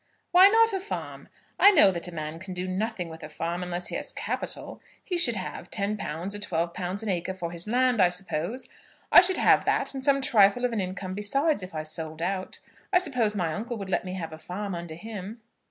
"Why not a farm? I know that a man can do nothing with a farm unless he has capital. He should have £10 or £12 an acre for his land, I suppose. I should have that and some trifle of an income besides if I sold out. I suppose my uncle would let me have a farm under him?"